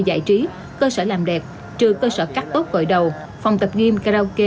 giải trí cơ sở làm đẹp trừ cơ sở cắt tốt cội đầu phòng tập game karaoke